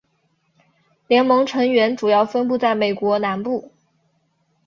联盟成员主要分布在美国南部。